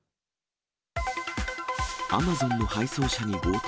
アマゾンの配送車に強盗。